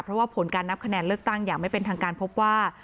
เพราะว่าผลการนับคะแนนเลือกตั้งอย่างไม่เป็นทางการพบว่า